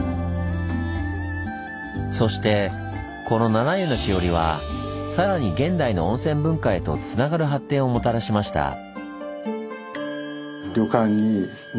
そしてこの「七湯の枝折」はさらに現代の温泉文化へとつながる発展をもたらしました。